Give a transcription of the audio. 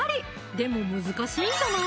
でも難しいんじゃない？